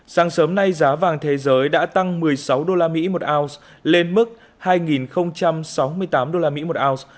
sáng sớm nay giá vàng thế giới đã tăng một mươi sáu usd một ounce lên mức hai sáu mươi tám usd một ounce